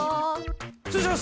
失礼します！